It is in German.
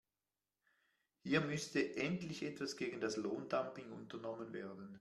Hier müsste endlich etwas gegen das Lohndumping unternommen werden.